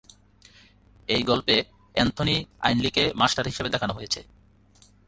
এই গল্পে অ্যান্থনি আইন্লিকে মাস্টার হিসেবে দেখানো হয়েছে।